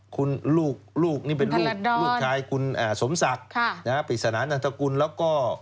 คุณลูกนี่เป็นลูกลูกชายคุณสมศักดิ์ปริศนานันตกุลแล้วก็